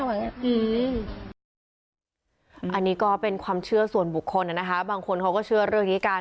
อันนี้ก็เป็นความเชื่อส่วนบุคคลนะคะบางคนเขาก็เชื่อเรื่องนี้กัน